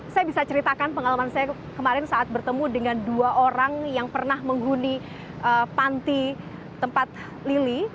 saya bisa ceritakan pengalaman saya kemarin saat bertemu dengan dua orang yang pernah menghuni panti tempat lili